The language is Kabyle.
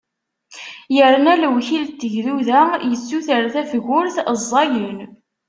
Yerna lewkil n tegduda yessuter tafgurt ẓẓayen.